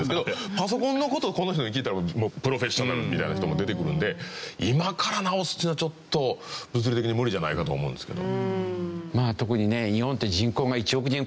パソコンの事をこの人に聞いたらプロフェッショナルみたいな人も出てくるんで今から直すっていうのはちょっと物理的に無理じゃないかと思うんですけど。